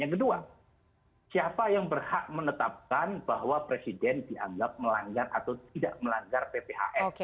yang kedua siapa yang berhak menetapkan bahwa presiden dianggap melanggar atau tidak melanggar pphn